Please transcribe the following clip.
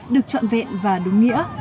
được chọn vẹn và đúng nghĩa